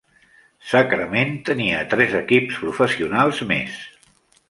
Sacramento tenia tres equips professionals més.